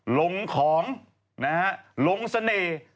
ลงของนะฮะลงเสน่ห์